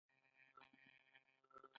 د هر هغه څه هرکلی وکړه.